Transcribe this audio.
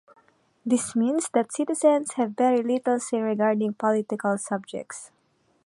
This means that citizens have very little say regarding political subjects.